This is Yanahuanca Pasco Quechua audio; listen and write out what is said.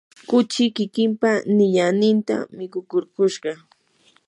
kuchi kikimpa niyanninta mikukurkushqa.